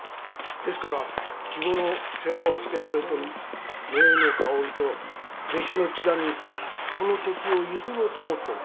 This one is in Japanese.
ですから日ごろ世話をしてくれとる姪の薫と弟子の千田にこの土地をゆずろうと思っとるんです。